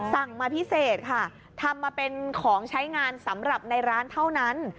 สั่งมาพิเศษค่ะทำมาเป็นของใช้งานสำหรับในร้านเท่านั้น